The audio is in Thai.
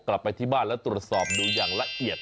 กลับไปที่บ้านและตรวจสอบดูอย่างละเอียด